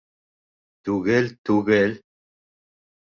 Түгел, түгел...